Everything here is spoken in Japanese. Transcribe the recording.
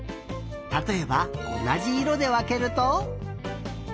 たとえばおなじいろでわけると。